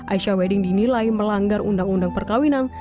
aisyah wedding dinilai melanggar undang undang perkawinan